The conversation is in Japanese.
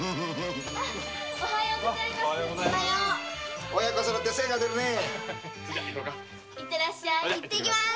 おはようございまぁす。